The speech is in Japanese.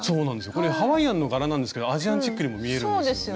これハワイアンの柄なんですけどアジアンチックにも見えるんですよね。